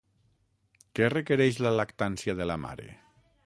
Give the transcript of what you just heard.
Què requereix la lactància de la mare?